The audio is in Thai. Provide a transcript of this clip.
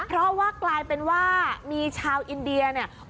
เพราะว่ากลายเป็นว่ามีชาวอินเดียเนี่ย